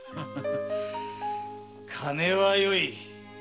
金はよい。